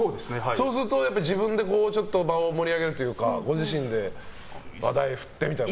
そうすると自分で場を盛り上げるというかご自身で話題を振ってみたいな。